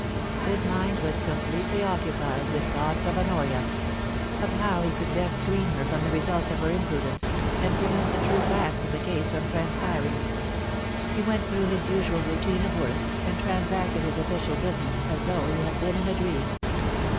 His mind was completely occupied with thoughts of Honoria — of how he could best screen her from the results of her imprudence, and prevent the true facts of the case from transpiring. He went through his usual routine of work, and transacted his official business as though he had been in a dream.